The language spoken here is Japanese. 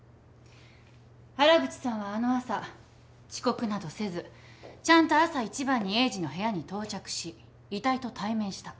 原口さんはあの朝遅刻などせずちゃんと朝一番に栄治の部屋に到着し遺体と対面した。